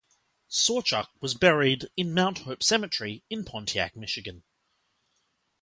Sawchuk was buried in Mount Hope Cemetery in Pontiac, Michigan.